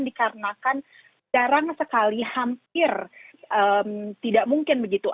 dikarenakan jarang sekali hampir tidak mungkin begitu